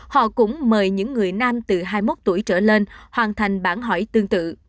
họ cũng mời những người nam từ hai mươi một tuổi trở lên hoàn thành bản hỏi tương tự